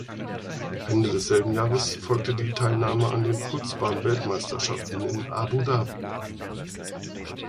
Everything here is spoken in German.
Ende desselben Jahres folgte die Teilnahme an den Kurzbahnweltmeisterschaften in Abu Dhabi.